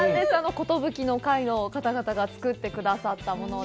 湖島婦貴の会の方々が作ってくださったもので。